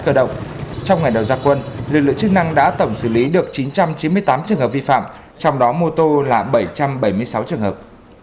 cơ động trong ngày đầu gia quân lực lượng chức năng đã tổng xử lý được chín trăm chín mươi tám trường hợp vi phạm trong đó mô tô là bảy trăm bảy mươi sáu trường hợp